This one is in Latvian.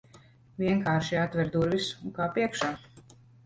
Vienkārši atver durvis, un kāp iekšā.